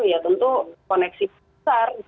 ya tentu koneksi besar